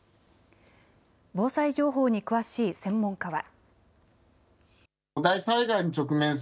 防災情報に詳しい専門家は。